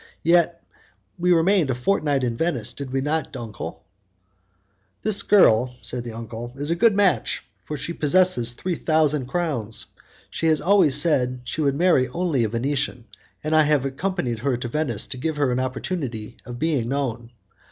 Yet we remained a fortnight in Venice; did we not, uncle?" "This girl," said the uncle, "is a good match, for she possesses three thousand crowns. She has always said that she would marry only a Venetian, and I have accompanied her to Venice to give her an opportunity of being known.